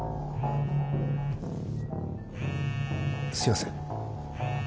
すみません。